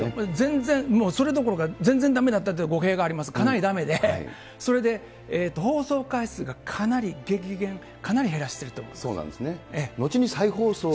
全然、もうそれどころか全然だめだったっていうと、語弊があります、かなりだめで、それで放送回数がかなり激減、かなり減らしている後に再放送に。